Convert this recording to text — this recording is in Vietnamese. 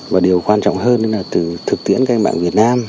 và điều quan trọng hơn là từ thực tiễn cách mạng việt nam